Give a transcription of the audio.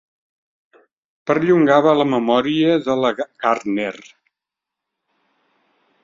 Perllongava la memòria de la Gardner.